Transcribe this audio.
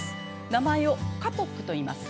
名前をカポックといいます。